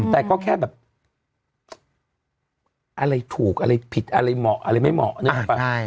แต่ก็แค่อะไรถูกอะไรผิดอะไรเหมาะอะไรไม่เหมาะ